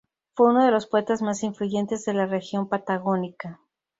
Fue uno de los poetas más influyentes de la región patagónica.